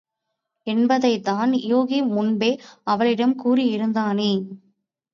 என்பதைத்தான் யூகி முன்பே அவளிடம் கூறியிருந்தானே?